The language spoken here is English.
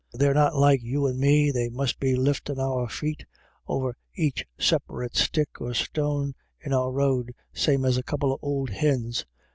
They're not like you and me, that must be liftin' our feet over aich separate stick or stone in our road same as a couple of ould hins.